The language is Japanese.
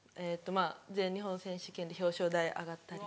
まぁ全日本選手権で表彰台上がったり。